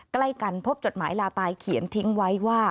ใกล้กันพบจดหมายลาตายเขียนทิ้งไว้ว่า